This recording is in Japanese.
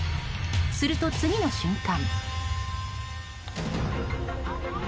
すると次の瞬間。